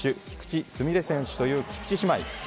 菊池純礼選手という菊池姉妹。